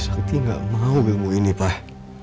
kuti gak mau ilmu ini pak